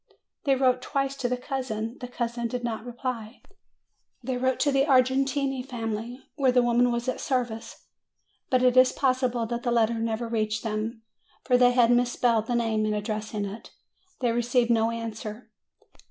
They wrote twice to the cousin; the cousin did not reply. They wrote to the Argentine family where the woman was at service ; but it is possible that the letter never reached them, for they had mispelled the name in addressing it : they received no answer.